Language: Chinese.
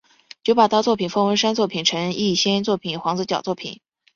九把刀作品方文山作品陈奕先作品黄子佼作品